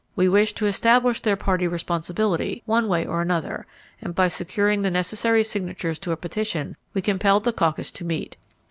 We wished to establish their party responsibility, one way or another, and by securing the necessary signatures to a petition, we compelled the caucus to meet.